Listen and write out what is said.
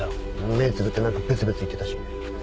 目つぶって何かブツブツ言ってたし。